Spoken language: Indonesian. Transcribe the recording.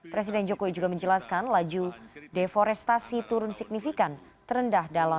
presiden jokowi juga menjelaskan laju deforestasi turun signifikan terendah dalam dua ribu dua puluh